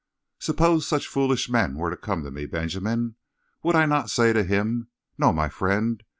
"Suppose such foolish man were to come to me, Benjamin, would I not say to him: 'No, my friend.